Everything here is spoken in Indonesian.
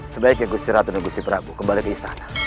sebaiknya gusti ratu dan gusi prabu kembali ke istana